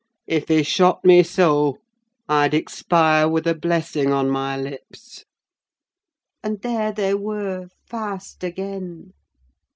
If he shot me so, I'd expire with a blessing on my lips." And there they were fast again.